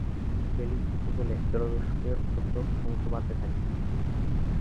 Belize উপকূলে জলদস্যুদের উপদ্রব ক্রমশ বাড়তে থাকে।